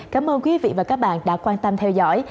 cảm ơn quý vị và các bạn đã quan tâm theo dõi